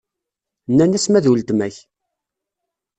Nnan-as ma d uletma-k.